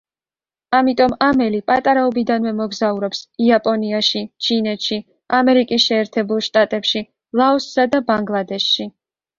ამიტომ ამელი პატარაობიდანვე მოგზაურობს იაპონიაში, ჩინეთში, ამერიკის შეერთებულ შტატებში, ლაოსსა და ბანგლადეშში.